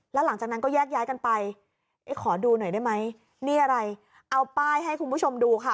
แล้วหลังจากนั้นก็แยกย้ายกันไปเอ๊ะขอดูหน่อยได้ไหมนี่อะไรเอาป้ายให้คุณผู้ชมดูค่ะ